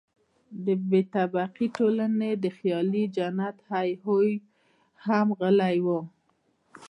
د بې طبقې ټولنې د خیالي جنت هیا هوی هم غلی وو.